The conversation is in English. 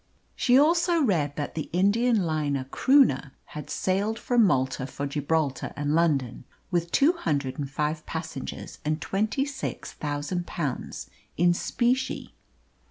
She also read that the Indian liner Croonah had sailed from Malta for Gibraltar and London, with two hundred and five passengers and twenty six thousand pounds in specie.